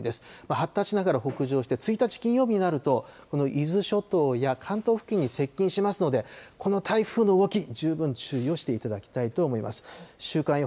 発達しながら北上して、１日金曜日になると、この伊豆諸島や関東付近に接近しますので、この台風の動き、十分注意をしていただきたいと思います。